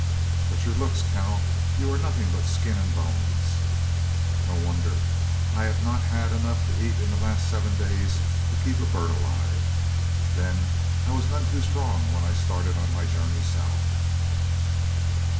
"But your looks, Cal; you are nothing but skin and bones." "No wonder. I have not had enough to eat in the last seven days to keep a bird alive. Then I was none too strong when I started on my journey south."